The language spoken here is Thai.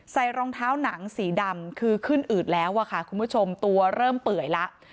รองเท้าหนังสีดำคือขึ้นอืดแล้วอะค่ะคุณผู้ชมตัวเริ่มเปื่อยแล้ว